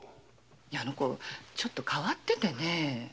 あの娘ちょっと変わっててね。